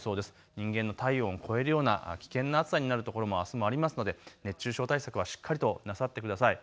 人間の体温を超えるような危険な暑さになる所もあすもありますので熱中症対策はしっかりとなさってください。